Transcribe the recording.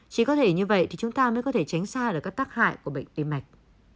chỉ có thể như vậy thì chúng ta mới có thể tránh xa được các tác hại của bệnh tim mạch